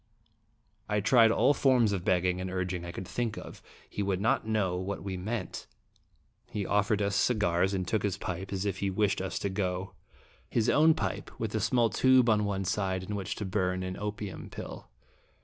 I tried all forms of begging and urg ing I could think of. He would not know what we meant. He offered us cigars, and took his pipe, as if he wished us to go his own pipe, with a small tube on one side, in which to burn an opium pill.